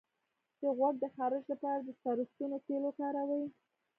د غوږ د خارش لپاره د سرسونو تېل وکاروئ